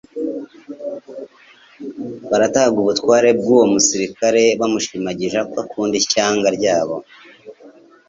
barataga ubutware bw'uwo musirikare bamushimagiza ko akunda ishyanga ryabo.